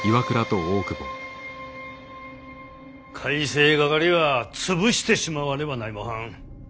改正掛は潰してしまわねばないもはん。